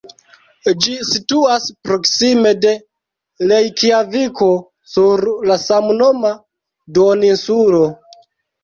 Ĝi situas proksime de Rejkjaviko sur la samnoma duoninsulo.